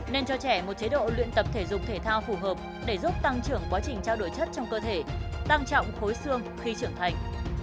nên cho trẻ một chế độ luyện tập thể dục thể thao phù hợp để giúp tăng trưởng quá trình trao đổi chất trong cơ thể tăng trọng khối xương khi trưởng thành